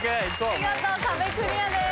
見事壁クリアです。